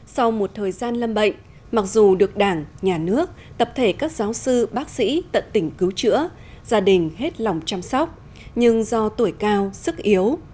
sau một thời gian lâm bệnh mặc dù được đảng nhà nước tập thể các giáo sư bác sĩ tận tỉnh cứu chữa gia đình hết lòng chăm sóc nhưng do tuổi cao sức yếu